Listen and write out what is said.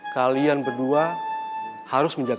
kalian berdua harus menjaga